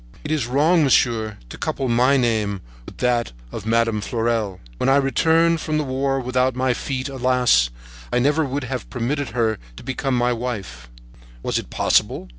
"It is wrong, monsieur, to couple my name with that of Madame de Fleurel. When I returned from the war without my feet, alas! I never would have permitted her to become my wife. Was it possible?